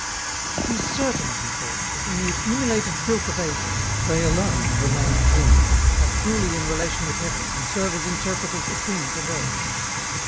" It is certain," he thought, " that in the accumulated filth of ages, they alone have remained clean, are truly in relation with heaven, and serve as interpreters between it and earth.